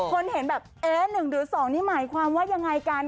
คนเห็นแบบเอ๊ะ๑หรือ๒นี่หมายความว่ายังไงกัน